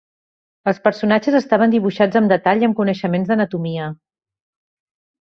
Els personatges estaven dibuixats amb detall i amb coneixements d'anatomia.